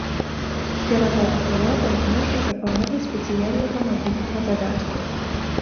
Кіраваць прыладай можна з дапамогай спецыяльнага мабільнага дадатку.